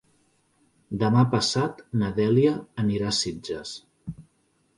Demà passat na Dèlia anirà a Sitges.